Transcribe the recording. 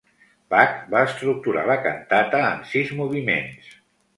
Bach va estructurar la cantata en sis moviments.